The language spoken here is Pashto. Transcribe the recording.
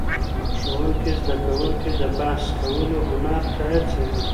ښوونکی زدهکوونکي د بحث کولو هنر ته هڅوي.